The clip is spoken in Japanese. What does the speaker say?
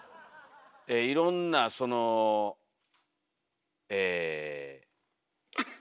いろんなそのえ。